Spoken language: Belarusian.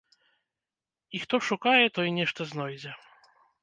І хто шукае, той нешта знойдзе.